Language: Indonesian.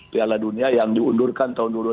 piala dunia yang diundurkan tahun dua ribu dua